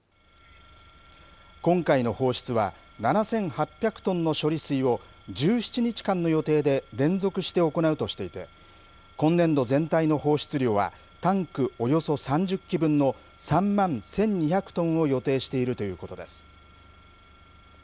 今回の放出は７８００トンの処理水を１７日間の予定で連続して行うとしていて今年度全体の放出量はタンクおよそ３０基分の３万１２００トンを予定しているということです。